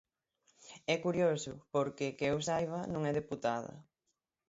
É curioso, porque, que eu saiba, non é deputada.